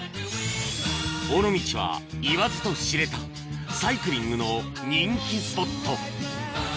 尾道は言わずと知れたサイクリングの人気スポット